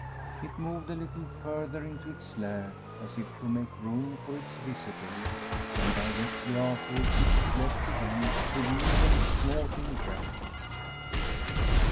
It moved a little further into its lair, as if to make room for its visitor, and directly afterwards it slept again with even, snorting breath.